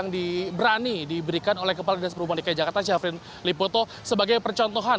yang berani diberikan oleh kepala dinas perhubungan dki jakarta syafrin lipoto sebagai percontohan